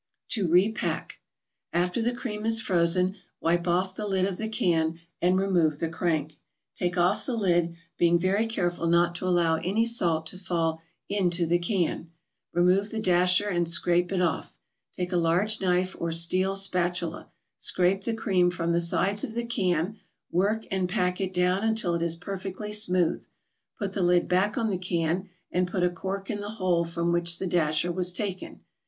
TO REPACK After the cream is frozen, wipe off the lid of the can and remove the crank; take off the lid, being very careful not to allow any salt to fall into the can. Remove the dasher and scrape it off. Take a large knife or steel spatula, scrape the cream from the sides of the can, work and pack it down until it is perfectly smooth. Put the lid back on the can, and put a cork in the hole from which the dasher was taken.